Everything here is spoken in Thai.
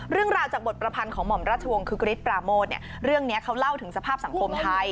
เรื่องราวจากบทประพันธ์ของหม่อมราชวงศ์คึกฤทธิปราโมทเนี่ยเรื่องนี้เขาเล่าถึงสภาพสังคมไทย